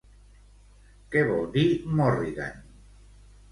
Què vol dir Morrigan?